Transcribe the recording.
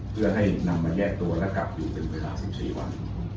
เพื่อให้นำมาแยกตัวและกลับอยู่เป็นเวลา๑๔วัน